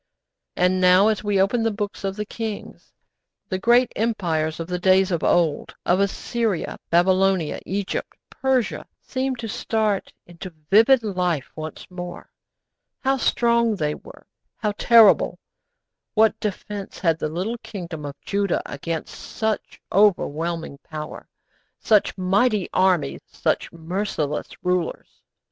And now, as we open the books of the kings, the great empires of the days of old, of Assyria, Babylonia, Egypt, Persia, seem to start into vivid life once more. How strong they were how terrible! What defence had the little kingdom of Judah against such overwhelming power, such mighty armies, such merciless rulers?